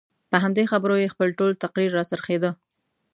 په همدې خبرو یې خپل ټول تقریر راڅرخېده.